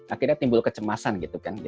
akhirnya timbul kecemasan gitu kan